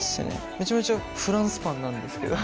めちゃめちゃフランスパンなんですけど。